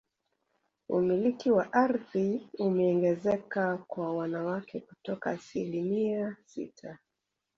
Umiliki wa ardhi umeongezeka kwa wanawake kutoka asilimia sita